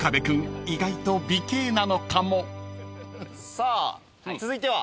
さあ続いては？